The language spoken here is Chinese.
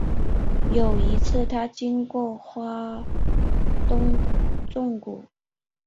有一次他经过花东纵谷